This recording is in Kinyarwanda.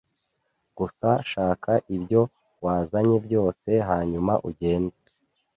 Gusa shaka ibyo wazanye byose hanyuma ugende.